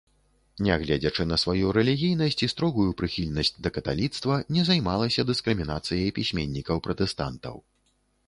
Нягледзячы на сваю рэлігійнасць і строгую прыхільнасць да каталіцтва, не займалася дыскрымінацыяй пісьменнікаў-пратэстантаў.